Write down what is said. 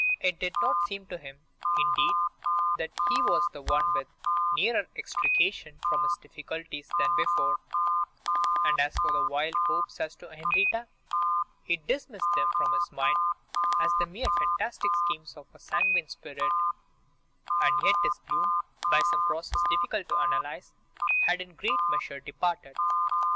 It did not seem to him, indeed, that he was one whit nearer extrication from his difficulties than before; and as for the wild hopes as to Henrietta, he dismissed them from his mind as the mere fantastic schemes of a sanguine spirit, and yet his gloom, by some process difficult to analyse, had in great measure departed.